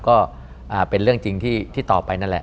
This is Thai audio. ก็เป็นเรื่องจริงที่ต่อไปนั่นแหละ